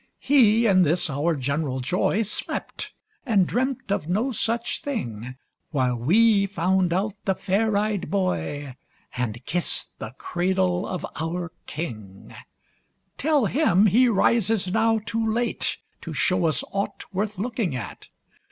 He in this our general joy, Slept, and dreamt of no such thing While we found out the fair ey'd boy, And kissed the cradle of our king; Tell him he rises now too late, To show us aught worth looking at.